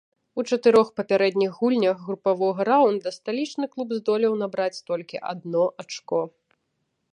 У чатырох папярэдніх гульнях групавога раўнда сталічны клуб здолеў набраць толькі адно ачко.